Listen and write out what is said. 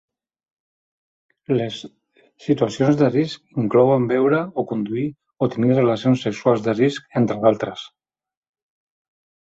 Les situacions de risc inclouen beure i conduir o tenir relacions sexuals de risc entre d'altres.